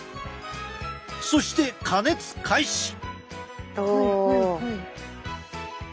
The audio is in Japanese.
そして加熱開始。